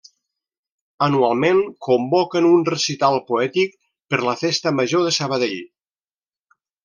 Anualment convoquen un recital poètic per la Festa Major de Sabadell.